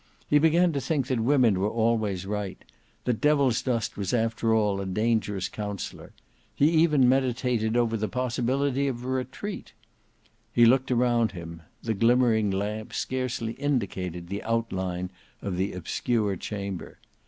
He began to think that women were always right; that Devilsdust was after all a dangerous counsellor; he even meditated over the possibility of a retreat. He looked around him: the glimmering lamp scarcely indicated the outline of the obscure chamber.